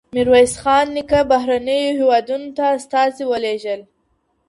ميرويس خان نيکه بهرنیو هېوادونو ته استازي ولېږل؟